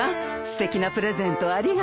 すてきなプレゼントをありがとう。